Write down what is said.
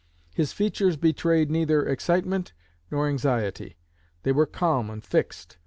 His features betrayed neither excitement nor anxiety. They were calm and fixed.